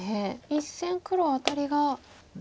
１線黒アタリが。